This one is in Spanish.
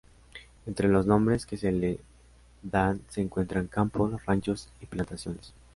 Entre los nombres que se le dan se encuentran campos, ranchos y plantaciones.